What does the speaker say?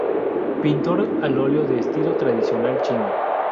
Pintor al oleo de estilo tradicional chino.